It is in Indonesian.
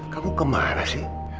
kamu kemana sih